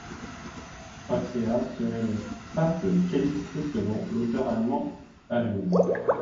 Praxéas serait le pape Calixte selon l'auteur allemand Hageman.